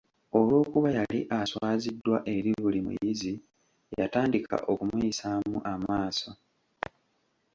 Olw’okuba yali aswaziddwa eri buli muyizi yatandika okumuyisaamu amaaso.